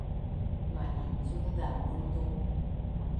ma’incun zamun tu